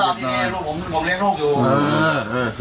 ผมก็ตอบที่นี่ลูก